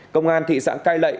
công an thị xã cai lệ